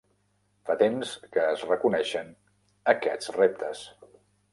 Fa temps que es reconeixen aquests reptes.